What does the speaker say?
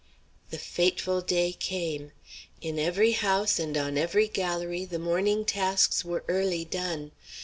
The fateful day came. In every house and on every galérie the morning tasks were early done.